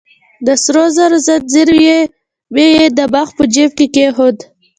د سرو زرو ځنځیر مې يې د مخ په جیب کې کېښود.